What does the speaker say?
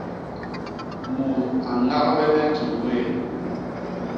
Mut a ñañgbene ñkil wéé.